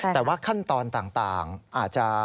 แต่ว่าขั้นตอนต่างอาจจะ